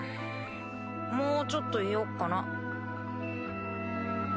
もうちょっといよっかな。